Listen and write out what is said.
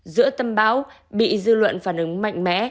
giữa tâm bão bị dư luận phản ứng mạnh mẽ